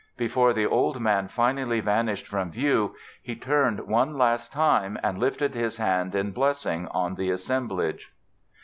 Before the old man finally vanished from view he turned one last time and lifted his hand in blessing on the assemblage.